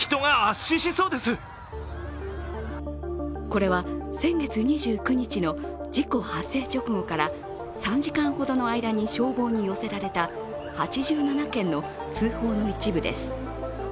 これは先月２９日の事故発生直後から３時間ほどの間に消防に寄せられた８７件の通報の一部です。